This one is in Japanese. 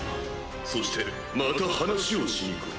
そしてまた話をしに来い。